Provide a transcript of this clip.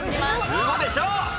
１５でしょう！